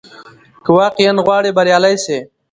که واقعاً غواړې بریالی سې،